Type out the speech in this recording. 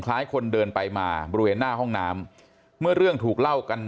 คนเดินไปมาบริเวณหน้าห้องน้ำเมื่อเรื่องถูกเล่ากัน